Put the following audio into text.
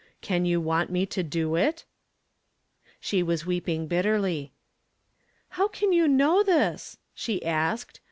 Can you want me to do it ?" She was weeping bitterly. " How can you know this?" she asked.